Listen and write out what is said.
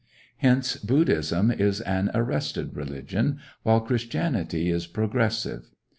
Hence, Buddhism is an arrested religion, while Christianity is progressive.